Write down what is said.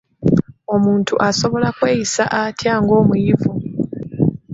Omuntu asobola kweyisa atya ng'omuyivu?